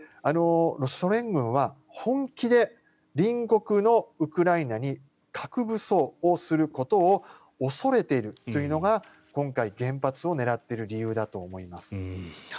ソ連軍は本気で隣国のウクライナに核武装をすることを恐れているというのが今回、原発を狙っている理由だと思います。